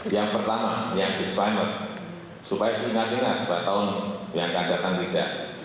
yang pertama yang disclaimer supaya diingat ingat sebab tahun yang akan datang tidak